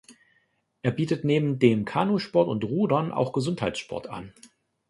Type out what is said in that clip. Er bietet neben dem Kanusport und Rudern auch Gesundheitssport an.